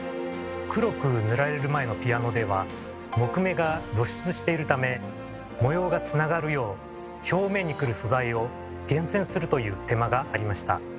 黒く塗られる前のピアノでは木目が露出しているため模様がつながるよう表面にくる素材を厳選するという手間がありました。